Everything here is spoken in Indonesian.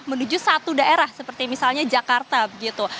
menuju satu daerah seperti misalnya jakarta begitu